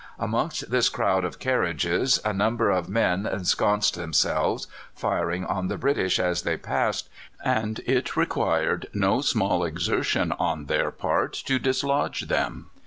Amongst this crowd of carriages a number of men ensconced themselves, firing on the British as they passed, and it required no small exertion on their part to dislodge them.